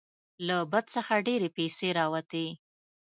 له بت څخه ډیرې پیسې راوتې.